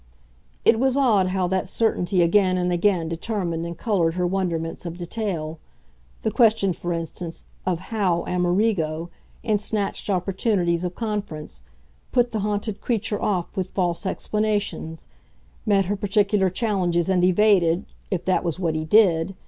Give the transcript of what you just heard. It was odd how that certainty again and again determined and coloured her wonderments of detail; the question, for instance, of HOW Amerigo, in snatched opportunities of conference, put the haunted creature off with false explanations, met her particular challenges and evaded if that was what he did do!